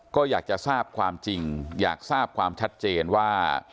ก็อยากจะทราบความจริงอยากทราบความชัดเจนว่า